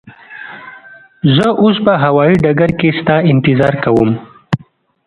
زه اوس به هوایی ډګر کی ستا انتظار کوم.